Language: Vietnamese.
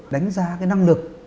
đánh giá năng lực